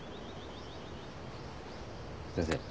先生。